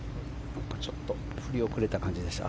ちょっと振り遅れた感じでした。